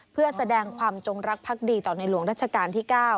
เพื่อแสดงความจงรักภักดีต่อในหลวงรัชกาลที่๙